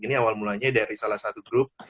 ini awal mulanya dari salah satu grup